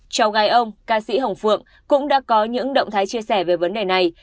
cháu gái ông ca sĩ hồng phượng cũng đã có những động thái chia sẻ về vấn đề này